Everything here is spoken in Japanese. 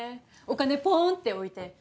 お金ポーンって置いて